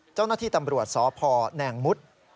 เจ้าหน้าที่ตำรวจสพแนงมุด